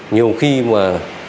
nhiều khi mà